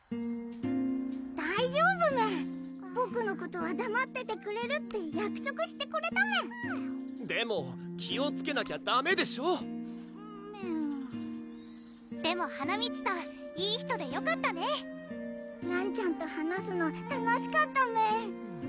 大丈夫メンボクのことはだまっててくれるって約束してくれたメンでも気をつけなきゃダメでしょメンでも華満さんいい人でよかったねらんちゃんと話すの楽しかったメン